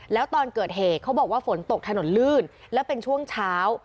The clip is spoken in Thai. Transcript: แล้วตอนเกิดเหตุเขาบอกว่าฝนตกถนนลื่นและเป็นช่วงเช้า